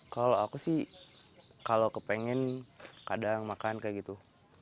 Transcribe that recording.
kalau aku sih kalau kepengen kadang makan kayak gitu